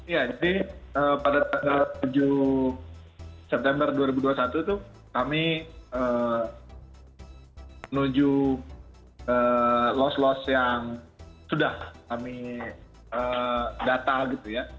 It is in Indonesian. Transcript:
ya jadi pada tanggal tujuh september dua ribu dua puluh satu itu kami menuju los los yang sudah kami data gitu ya